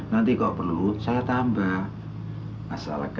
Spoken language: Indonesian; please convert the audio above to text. nah kepala gue udah gak pusing